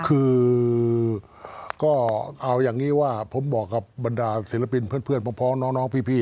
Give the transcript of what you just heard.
คือก็เอาอย่างนี้ว่าผมบอกกับบรรดาศิลปินเพื่อนพร้อมน้องพี่